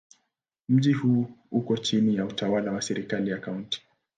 Mji huu uko chini ya utawala wa serikali ya Kaunti.